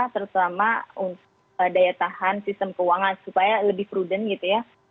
terutama daya tahan sistem keuangan supaya lebih prudent gitu ya